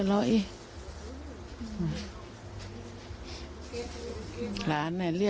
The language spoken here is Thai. แม่เป็นเย้เป็นว่าเอาถึงที่สุดเอง